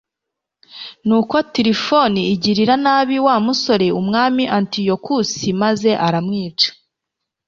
nuko tirifoni agirira nabi wa musore, umwami antiyokusi, maze aramwica